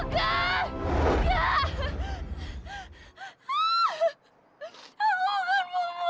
lihat tuh ada orang sederhana